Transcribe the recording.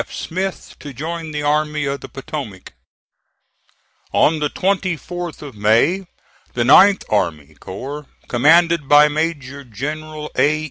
F. Smith, to join the Army of the Potomac. On the 24th of May, the 9th army corps, commanded by Major General A.